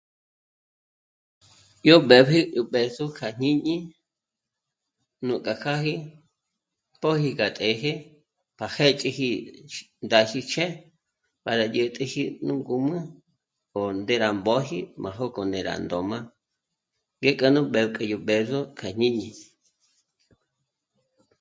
Yo b'épji yó b'ë̌zo kja jñíñi núk'a kjâji pjóji k'a t'ë́jë pa jéch'eji ndá jích'e para dyä̀t'äji nù ngǔmü po... ndé rá mbóji má jókò ndé rá n'óm'a ngé k'anu b'epk'i yó b'ë̌zo k'a jñíñi